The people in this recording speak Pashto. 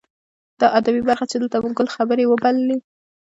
دا ادبي برخه چې دلته مو ګل خبرې وبللې.